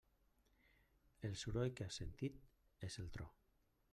El soroll que has sentit és el tro.